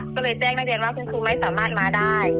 ก็เลยแจ้งนักเรียนว่าคุณครูไม่สามารถมาได้